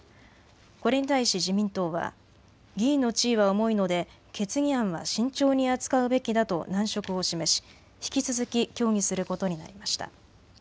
これに対し自民党は議員の地位は重いので決議案は慎重に扱うべきだと難色を示し引き続き協議することになりました。